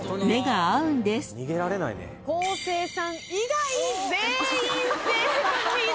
昴生さん以外全員正解です！